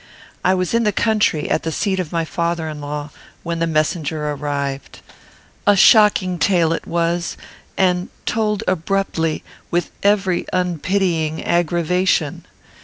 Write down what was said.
I was in the country, at the seat of my father in law, when the messenger arrived. "A shocking tale it was! and told abruptly, with every unpitying aggravation.